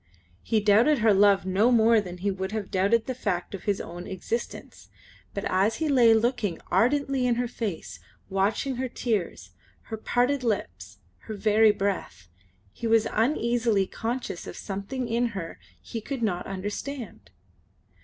He doubted her love no more than he would have doubted the fact of his own existence, but as he lay looking ardently in her face, watching her tears, her parted lips, her very breath, he was uneasily conscious of something in her he could not understand.